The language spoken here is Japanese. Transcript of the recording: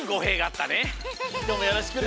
きょうもよろしくね。